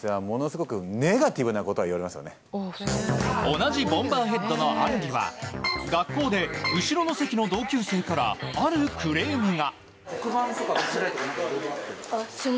同じボンバーヘッドのアンリは学校で後ろの席の同級生からあるクレームが。